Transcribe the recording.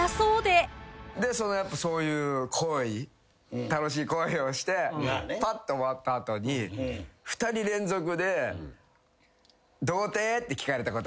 そういう行為楽しい行為をしてぱって終わった後に２人連続で「童貞？」って聞かれたことあります。